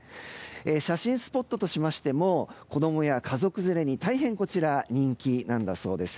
写真スポットとしましても子供や家族連れに大変、人気なんだそうです。